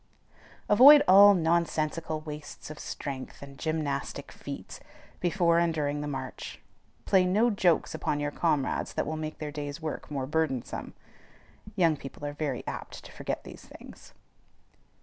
Avoid all nonsensical waste of strength, and gymnastic feats, before and during the march; play no jokes upon your comrades, that will make their day's work more burdensome. Young people are very apt to forget these things.